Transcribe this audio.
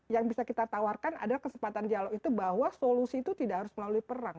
yang bisa kita tawarkan adalah kesempatan dialog itu bahwa solusi itu tidak harus melalui perang